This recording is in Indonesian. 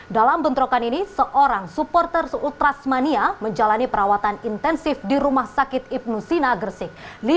dalam bentrokan ini seorang supporter se ultrasmania menjalani perawatan intensif di rumah sakit ibnu sina gresik